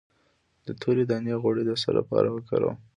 د تورې دانې غوړي د څه لپاره وکاروم؟